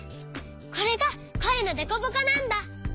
これがこえのデコボコなんだ。